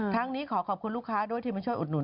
นี้ขอขอบคุณลูกค้าด้วยที่มาช่วยอุดหนุ